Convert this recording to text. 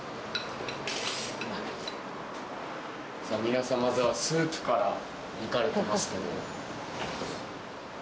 皆様スープから行かれてますけど。